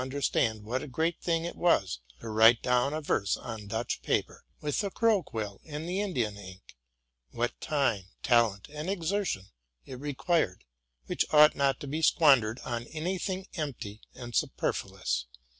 249 derstand what a great thing it was to write down a verse on Dutch paper, with the crow quill and Indian ink ; what time, talent, and exertion it required, which ought not to be squan dered on any thing empty and superfluous.